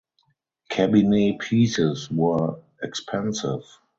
Cabinet pieces were expensive.